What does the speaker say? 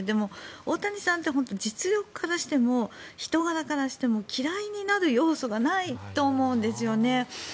大谷さんって実力からしても人柄からしても嫌いになる要素がないと思うんですよね。